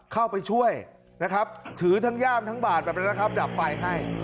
เข้าไปช่วยถือทั้งย่ามทั้งบาทดับไฟให้